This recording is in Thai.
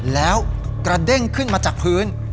แล้วกระเด้งขึ้นมาจากพื้น